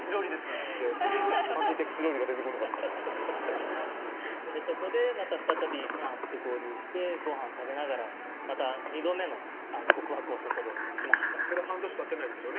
っつってパンティーテックス料理が出てくるのかとそこでまた再び会って合流してごはん食べながらまた二度目の告白をそこでしましたそれ半年たってないですよね